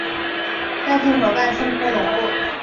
盖特河畔圣科隆布。